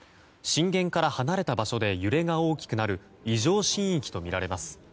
震源から離れた場所で揺れが大きくなる異常震域とみられます。